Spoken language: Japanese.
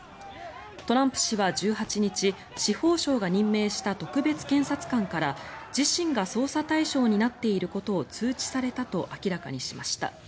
トランプ氏は１８日司法省が任命した特別検察官から自身が捜査対象になっていることを通知されたと明らかにしました。